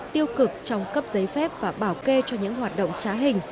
tiêu cực trong cấp giấy phép và bảo kê cho những hoạt động trá hình